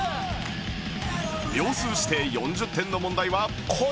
秒数指定４０点の問題は